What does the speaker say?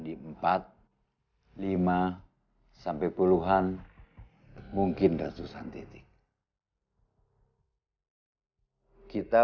sampai jumpa di video selanjutnya